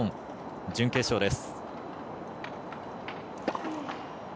準決勝です。